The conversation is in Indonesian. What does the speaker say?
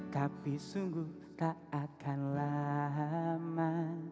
tapi sungguh tak akan lama